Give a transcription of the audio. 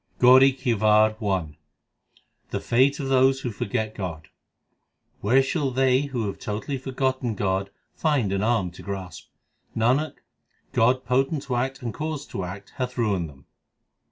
GAURI KI WAR I The fate of those who forget God : Where shall they who have totally forgotten God rind an arm to grasp ? l Nanak, God potent to act and cause to act hath ruined them.